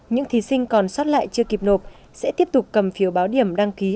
những thí sinh còn sót lại chưa kịp nộp sẽ tiếp tục cầm phiếu báo điểm đăng ký